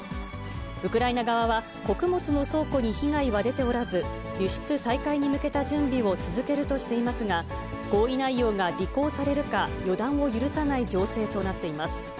ウクライナ側は、穀物の倉庫に被害は出ておらず、輸出再開に向けた準備を続けるとしていますが、合意内容が履行されるか予断を許さない情勢となっています。